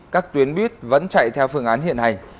các tuyến buýt vẫn chạy theo phương án hiện hành